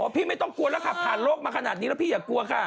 ไม่ต้องกลัวแล้วค่ะผ่านโลกมาขนาดนี้แล้วพี่อย่ากลัวค่ะ